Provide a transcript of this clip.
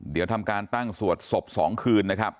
เดี๋ยวทำการตั้งสวดศพ๒คืนนะครับ